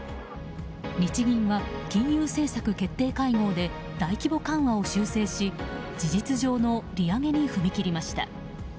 日銀は、金融政策決定会合で大規模緩和を修正し事実上の利上げに踏み切りました。